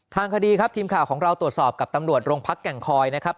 ทางคดีครับทีมข่าวของเราตรวจสอบกับตำรวจโรงพักแก่งคอยนะครับ